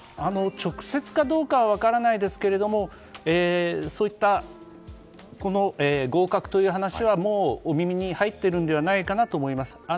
直接かどうかは分からないですがそういった合格という話はもうお耳に入っているのではないかと思います。